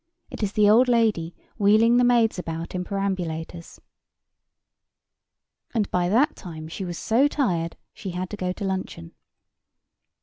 It is the old lady wheeling the maids about in perambulators. And by that time she was so tired, she had to go to luncheon.